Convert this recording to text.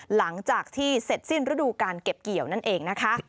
หลังจากที่เสร็จสิ้นฤดูการเก็บเกี่ยวนั่นเองนะคะ